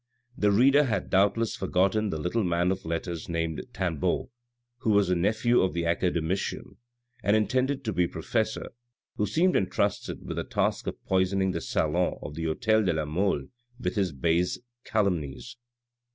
" The reader has doubtless forgotten the little man of letters named Tanbeau, who was the nephew of the Academician, and intended to be professor, who seemed entrusted with the task of Doisoning the salon of the hotel de la Mole with his base cahmnies.